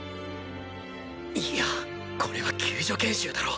いやこれは救助研修だろ！